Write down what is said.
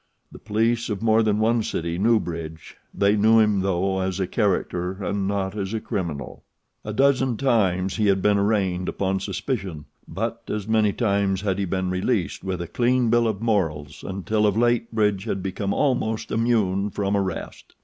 The police of more than one city knew Bridge they knew him, though, as a character and not as a criminal. A dozen times he had been arraigned upon suspicion; but as many times had he been released with a clean bill of morals until of late Bridge had become almost immune from arrest.